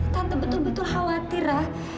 tante betul betul khawatir ra